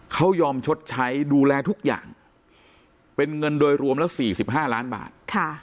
เขายอมชดใช้ดูแลทุกอย่างเป็นเงินโดยรวมละ๔๕ล้านบาท